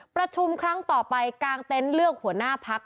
ประชุมครั้งต่อไปกางเต็นต์เลือกหัวหน้าพัก